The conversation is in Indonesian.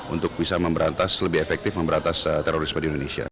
untuk bisa memberantas lebih efektif memberantas teroris pada indonesia